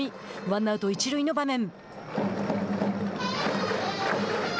ワンアウト、一塁の場面。